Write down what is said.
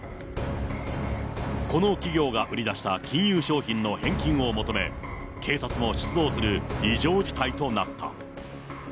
この企業が売り出した金融商品の返金を求め、警察も出動する異常事態となった。